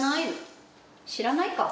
知らないの？